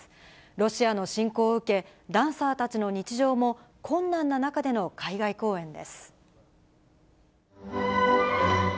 ロシアの侵攻を受け、ダンサーたちの日常も困難な中での海外公演です。